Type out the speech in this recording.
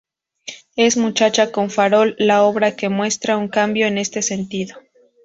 Es "Muchacha con farol" la obra que muestra un cambio en este sentido.